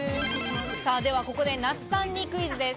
ではここで那須さんにクイズです。